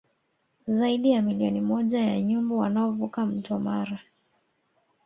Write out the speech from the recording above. Zaidi ya milioni moja ya nyumbu wanaovuka mto Mara